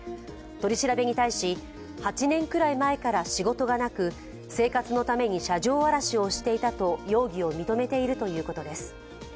取り調べに対し、８年くらい前から仕事がなく生活のために車上荒らしをしていたと容疑を認めているということです。